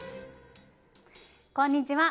こんにちは。